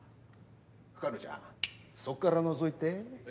深野ちゃんそっからのぞいて。